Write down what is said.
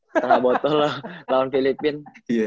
setengah botol loh lawan filipina